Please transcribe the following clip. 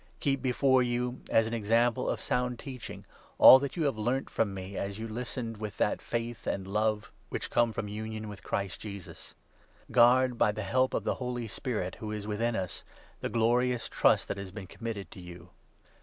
Keep before you, as an 13 example of sound teaching, all that you learnt from me as you listened with that faith and love which come from union with Christ Jesus. Guard by the help of the Holy Spirit, who is 14 within us, the glorious trust that has been committed to you.